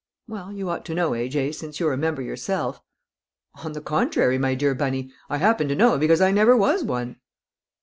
"Well, you ought to know, A.J., since you're a member yourself." "On the contrary, my dear Bunny, I happen to know because I never was one!"